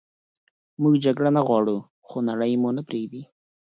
موږ جګړه نه غواړو خو نړئ مو نه پریږدي